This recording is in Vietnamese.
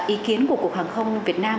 ý kiến của cục hàng không việt nam